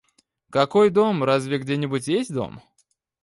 Какой дом, разве где-нибудь есть дом?